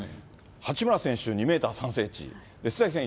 八村選手２メーター３センチ、須崎選手